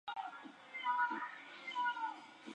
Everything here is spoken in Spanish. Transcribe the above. Ubicación inicial: En cuarto.